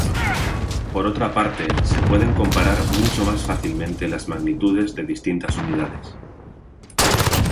Por otra parte, se pueden comparar mucho más fácilmente las magnitudes de distintas unidades.